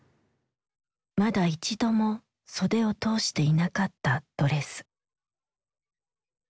まだ一度も袖を通していなかったドレス。